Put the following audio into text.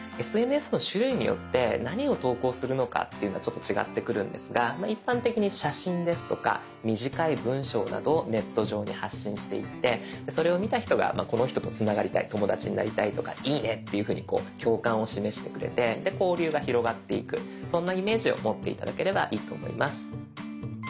ＳＮＳの種類によって何を投稿するのかというのは違ってくるんですが一般的に写真ですとか短い文章などをネット上に発信していってそれを見た人がこの人とつながりたい友だちになりたいとかいいねっていうふうに共感を示してくれて交流が広がっていくそんなイメージを持って頂ければいいと思います。